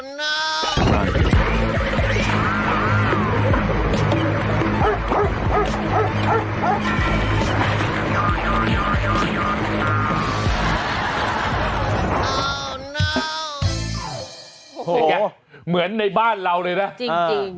นะแกเหมือนในบ้านเราเลยนะจริง